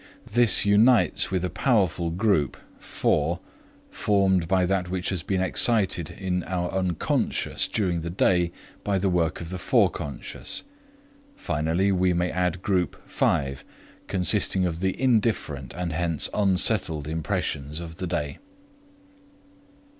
This unites with a powerful group (4) formed by that which has been excited in our Unc. during the day by the work of the foreconscious. Finally, we may add group (5) consisting of the indifferent and hence unsettled impressions of the day.